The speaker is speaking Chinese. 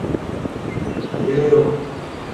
南边与库雅雷克接壤。